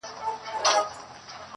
د هر يزيد زړه کي ايله لکه لړم ښه گرانې